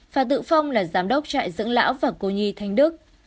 phà tự phong là giám đốc trại dưỡng lão và cô nhi thanh đức